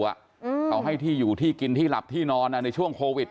เขาให้ที่อยู่ที่กินที่หลับที่นอนในช่วงโควิด